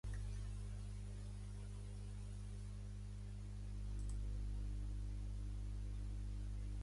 Lourdes Maceiras és una escriptora nascuda a Barcelona.